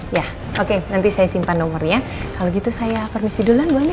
iya oke nanti saya simpan nomornya kalau gitu saya permisi duluan bu andien